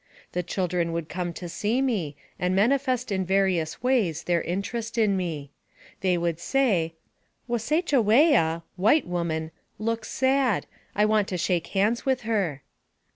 The children would come to see me, and manifest in various ways their interest in me. They would say, " Wasechawea (white woman) looks sad ; I want to shake hands with her."